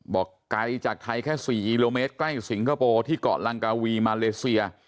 ไกลจากไทยแค่๔กิโลเมตรใกล้สิงคโปร์ที่เกาะลังกาวีมาเลเซีย